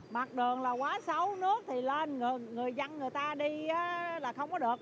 mặt đường là quá xấu nước thì lên người dân người ta đi là không có được